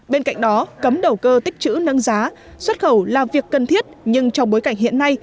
bên cạnh đó cấm đầu cơ tích chữ nâng giá xuất khẩu là việc cần thiết nhưng trong bối cảnh hiện nay